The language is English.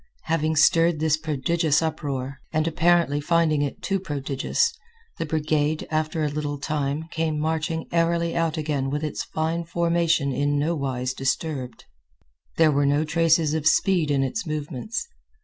Having stirred this prodigious uproar, and, apparently, finding it too prodigious, the brigade, after a little time, came marching airily out again with its fine formation in nowise disturbed. There were no traces of speed in its movements.